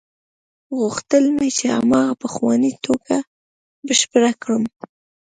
غوښتل مې چې هماغه پخوانۍ ټوکه بشپړه کړم.